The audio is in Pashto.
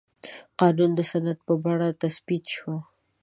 قانون د سند په بڼه تثبیت شو.